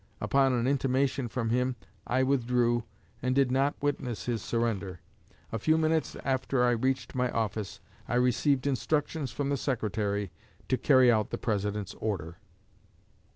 Upon an intimation from him, I withdrew, and did not witness his surrender. A few minutes after I reached my office I received instructions from the Secretary to carry out the President's order."